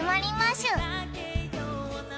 しゅ